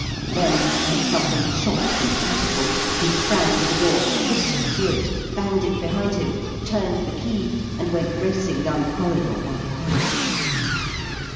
Then, like something shot from a catapult, he sprang to the door, whisked through it, banged it behind him, turned the key, and went racing down the corridor like a hare.